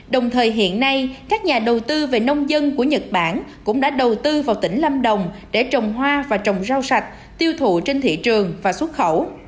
đồng thời hiện nay các nhà đầu tư về nông dân của nhật bản cũng đã đầu tư vào tỉnh lâm đồng để trồng hoa và trồng rau sạch tiêu thụ trên thị trường và xuất khẩu